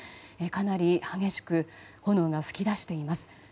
かなり激しく炎が噴き出しています。